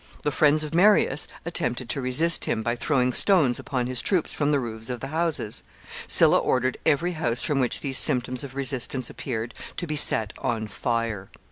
The friends of Marius attempted to resist him, by throwing stones upon his troops from the roofs of the houses. Sylla ordered every house from which these symptoms of resistance appeared to be set on fire.